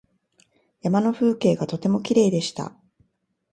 山の風景がとてもきれいでした。